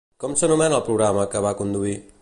Com s'anomena el programa que va conduir?